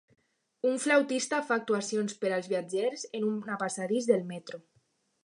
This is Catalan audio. Un flautista fa actuacions per als viatgers en una passadís del metro.